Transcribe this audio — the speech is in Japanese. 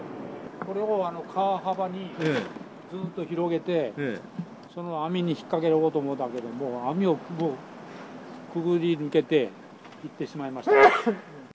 これを川幅にずっと広げて、その網に引っ掛けようと思うんだけども、網をくぐり抜けて行ってしまいました。